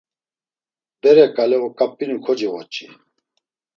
Bere ǩale oǩap̌inu kocevoç̌i.